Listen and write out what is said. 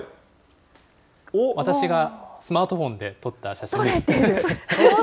私がスマートフォンで撮った写真です。